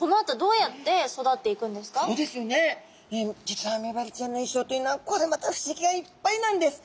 実はメバルちゃんの一生っていうのはこれまた不思議がいっぱいなんです。